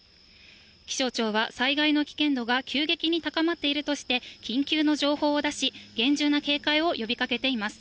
気象庁は災害の危険度が急激に高まっているとして、緊急の情報を出し、厳重な警戒を呼びかけています。